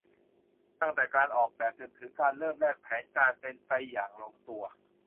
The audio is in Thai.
ตั้งแต่การออกแบบจนถึงการเริ่มแรก แผนการเป็นไปอย่างลงตัว